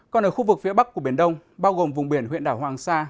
còn ở khu vực phía bắc của biển đông bao gồm vùng biển huyện đảo hoàng sa